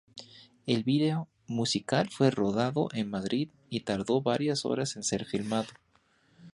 El vídeo musical fue rodado en Madrid, y tardó varias horas en ser filmado.